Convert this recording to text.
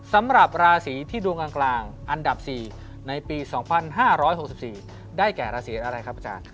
สำหรับราศีที่ดวงกลางอันดับ๔ในปี๒๕๖๔ได้แก่ราศีอะไรครับอาจารย์